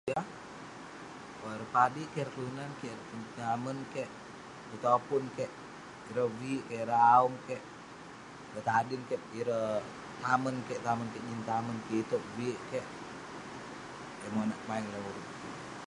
Owk, ireh padik kik, ireh kelunan kik, ireh tinen tamen kik..ireh topun kik, ireh viik kik, ireh a'ung kik, ireh tadin kik, ireh..tamen kik, tamen kik jin tamen kik itouk, viik kik..ireh monak kema'eng dalem urip kik.